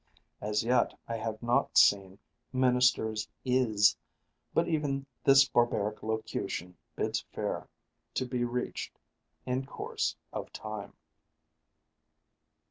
As yet I have not seen "ministers is," but even this barbaric locution bids fair to be reached in course of time.